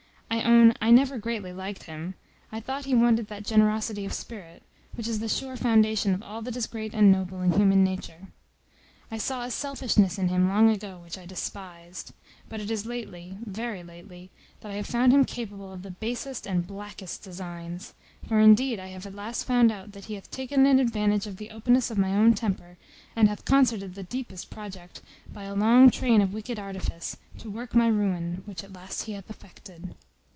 I own I never greatly liked him. I thought he wanted that generosity of spirit, which is the sure foundation of all that is great and noble in human nature. I saw a selfishness in him long ago which I despised; but it is lately, very lately, that I have found him capable of the basest and blackest designs; for, indeed, I have at last found out, that he hath taken an advantage of the openness of my own temper, and hath concerted the deepest project, by a long train of wicked artifice, to work my ruin, which at last he hath effected."